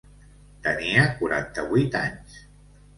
Tenia quaranta-vuit anys.